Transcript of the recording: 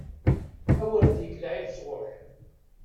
A wer d-yekk lɛib sɣur-k!